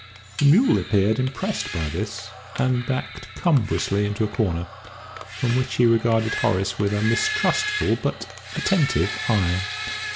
The mule appeared impressed by this, and backed cumbrously into a corner, from which he regarded Horace with a mistrustful, but attentive, eye.